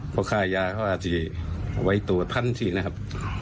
พวกขายาเขาอาจจะไว้ตัวทันทีนะครับ